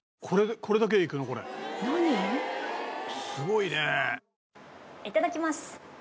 いただきます。